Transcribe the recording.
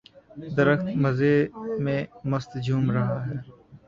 درخت مزے میں مست جھوم رہا ہے